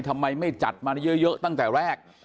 ทำไมไม่จัดมาเยอะตั้งแต่แรก